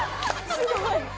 すごい！